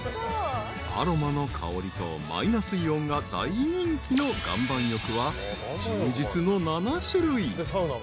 ［アロマの香りとマイナスイオンが大人気の岩盤浴は充実の７種類］